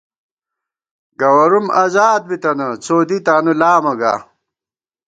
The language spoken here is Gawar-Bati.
گوَروم اَزاد بِتَنہ، څو دی تانُو لامہ گا